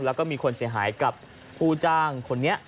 แล้วก็มีคนเสียหายกับผู้จ้างคนนี้